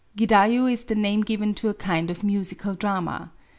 GiJayU is the name given to a kind of musical drama.